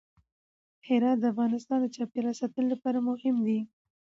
هرات د افغانستان د چاپیریال ساتنې لپاره مهم دي.